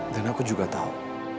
dan aku juga tau